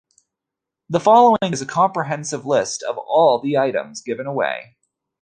The following is a comprehensive list of all of the items given away.